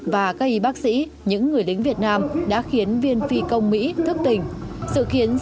và các y bác sĩ những người lính việt nam đã khiến viên phi công mỹ thức tỉnh